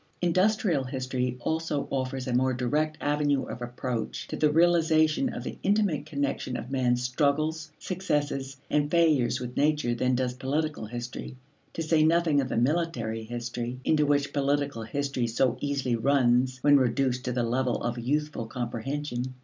Industrial history also offers a more direct avenue of approach to the realization of the intimate connection of man's struggles, successes, and failures with nature than does political history to say nothing of the military history into which political history so easily runs when reduced to the level of youthful comprehension.